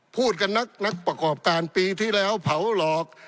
พูดกับนักประกอบการปีที่แล้วเผาหลอก